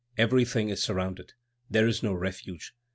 Everything is surrounded. There is no refuge.